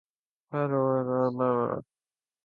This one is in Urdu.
ایپل کے ئی فون فلموں میں ولن کیوں نہیں استعمال کرسکتے